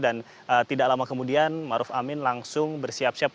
dan tidak lama kemudian ma'ruf amin langsung bersiap siap